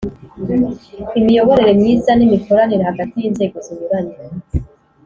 imiyoborere myiza n'imikoranire hagati y'inzego zinyuranye